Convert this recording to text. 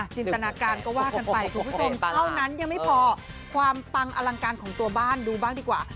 จินตนาการก็ว่ากันไปคุณผู้ชมเท่านั้นยังไม่พอความปังอลังการของตัวบ้านดูบ้างดีกว่า